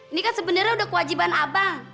ini kan sebenarnya udah kewajiban abang